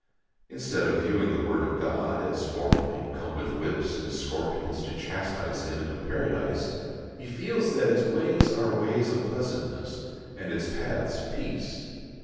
Instead of viewing the word of God, as formerly, come with whips and scorpions to chastise him into paradise, he feels that its "ways are ways of pleasantness, and its paths peace."